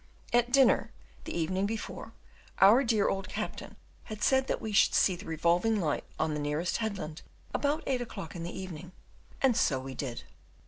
At dinner, the evening before, our dear old captain had said that we should see the revolving light on the nearest headland about eight o'clock that evening, and so we did.